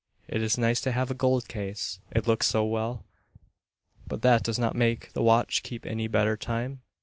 It is nice to have a gold case, it looks so well. But that does not make the watch keep any better time.